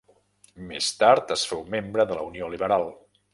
Més tard es féu membre de la Unió Liberal.